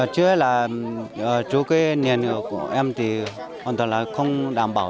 trước hết là chỗ cái nền của em thì hoàn toàn là không đảm bảo